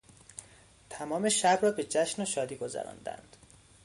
تمام شب را به جشن و شادی گذراندند.